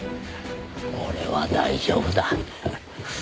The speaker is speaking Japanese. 俺は大丈夫だ。